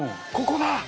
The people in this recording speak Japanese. ここだ！